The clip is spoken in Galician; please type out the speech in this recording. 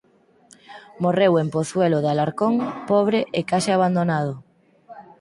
Morreu en Pozuelo de Alarcón pobre e case abandonado.